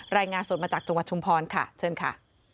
รายงานสดมาจากจังหวัดชุมพรค่ะเชิญค่ะ